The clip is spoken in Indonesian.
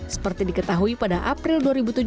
seperti diketahui pada april dua ribu tujuh belas